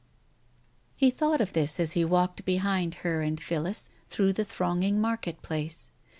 He thought of this as he walked behind her and Phillis through the thronging market place.